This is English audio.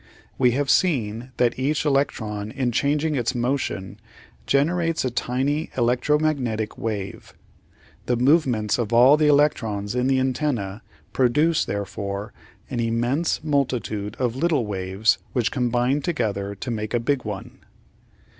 We have seen that each electron in changing its motion generates a tiny electromagnetic wave. The movements of all the electrons in the antenna produce, therefore, an immense multitude of little waves which combine together to make a big one.